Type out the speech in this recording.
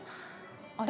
あれ？